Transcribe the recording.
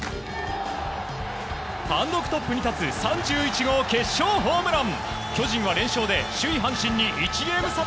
単独トップに立つ３１号決勝ホームラン。